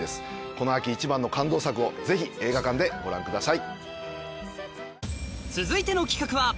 この秋一番の感動作をぜひ映画館でご覧ください。